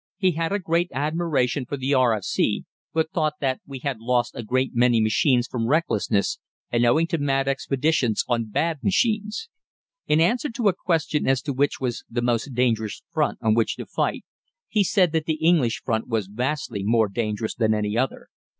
He had a great admiration for the R.F.C., but thought that we had lost a great many machines from recklessness, and owing to mad expeditions on bad machines. In answer to a question as to which was the most dangerous front on which to fight, he said that the English front was vastly more dangerous than any other.